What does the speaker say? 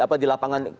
apa di lapangan